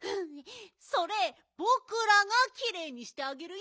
それぼくらがきれいにしてあげるよ！